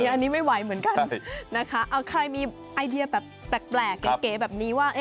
อันนี้ไม่ไหวเหมือนกันนะคะเอาใครมีไอเดียแบบแปลกเก๋แบบนี้ว่า